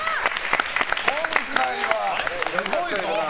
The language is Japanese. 今回はすごいぞ。